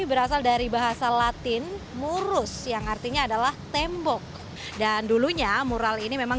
berasal dari bahasa latin murus yang artinya adalah tembok dan dulunya mural ini memang